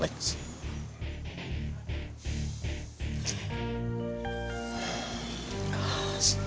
gue terima semua tawaran dari alex